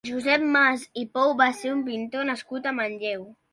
Josep Mas i Pou va ser un pintor nascut a Manlleu.